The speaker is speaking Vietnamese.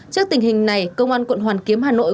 trước tình hình này công an quận hoàn kiếm hà nội